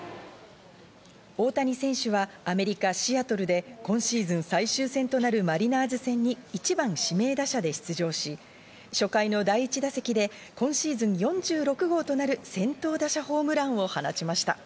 大谷選手はアメリカ・シアトルで今シーズン最終戦となるマリナーズ戦に１番指名打者で出場し、初回の第１打席で今シーズン４６号となる先頭打者ホームランを放ちました。